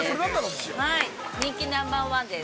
人気ナンバーワンです。